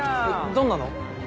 どんなの？